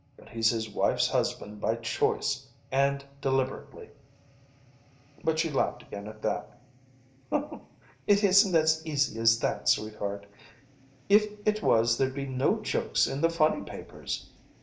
But he's his wife's husband by choice, and deliberately." But she laughed again at that. "It isn't as easy as that, sweetheart. If it was there'd be no jokes in the funny papers.